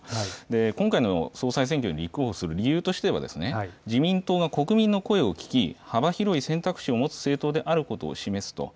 今回の総裁選挙に立候補する理由としては、自民党が国民の声を聞き、幅広い選択肢を持つ政党であることを示すと。